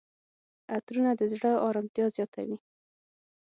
عطرونه د زړه آرامتیا زیاتوي.